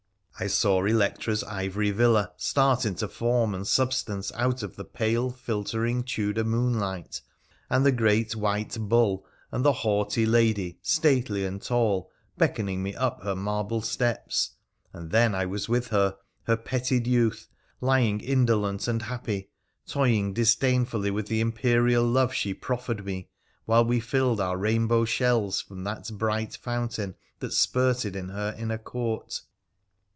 I saw Electra's ivory villa start into form and substance out of the pale, filtering Tudor moonlight, and the great white bull, and the haughty lady, stately and tall, beckoning me up her marble steps ; and then I was with her, her petted youth, lying indolent and happy, toying disdainfully with the imperial love she proffered me, while we filled our rainbow shells from that bright fountain that spurted in her inner court